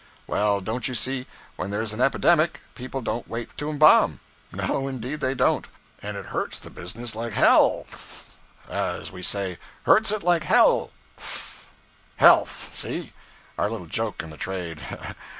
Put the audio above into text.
Well, don't you see, when there's an epidemic, people don't wait to embam. No, indeed they don't; and it hurts the business like hell th, as we say hurts it like hell th, health, see? Our little joke in the trade.